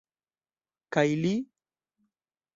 Kaj li?